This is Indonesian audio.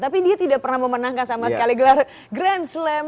tapi dia tidak pernah memenangkan sama sekali gelar grand slam